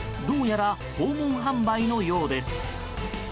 どうやら訪問販売のようです。